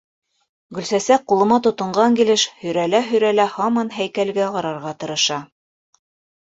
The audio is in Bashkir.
Гөлсәсәк, ҡулыма тотонған килеш, һөйрәлә-һөйрәлә һаман һәйкәлгә ҡарарға тырыша.